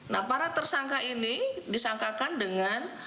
nah para tersangka ini disangkakan dengan